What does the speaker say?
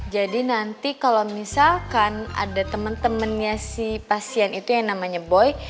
jadi nanti kalo misalkan ada temen temennya si pasien itu yang namanya boy